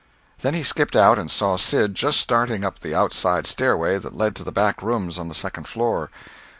Then he skipped out, and saw Sid just starting up the outside stairway that led to the back rooms on the second floor.